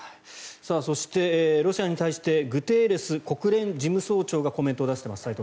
そして、ロシアに対してグテーレス国連事務総長がコメントを出しています。